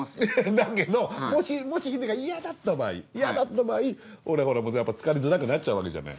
だけどもしヒデが嫌だった場合俺ほらもうつかりづらくなっちゃうわけじゃない。